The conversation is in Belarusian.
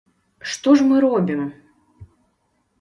Што ж мы робім?